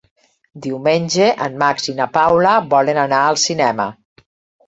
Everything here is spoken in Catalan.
Diumenge en Max i na Paula volen anar al cinema.